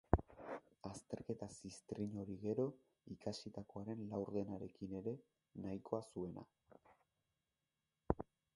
Azterketa ziztrin hori gero, ikasitakoaren laurdenarekin ere nahikoa zuena.